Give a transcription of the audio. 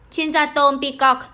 chuyên gia tom peacock